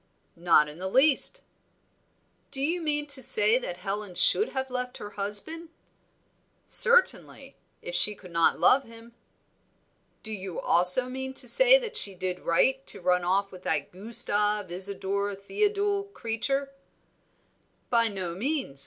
"Not in the least." "Do you mean to say that Helen should have left her husband?" "Certainly, if she could not love him." "Do you also mean to say that she did right to run off with that Gustave Isadore Theodule creature?" "By no means.